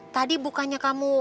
tadi bukannya kamu